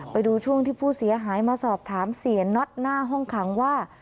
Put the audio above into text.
ไปดูช่วงที่ผู้เสียหายมาสอบถามเสียน็อตหน้าห้องขังว่า